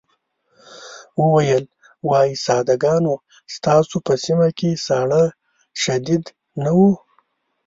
وویل وای ساده ګانو ستاسو په سيمه کې ساړه شديد نه وو.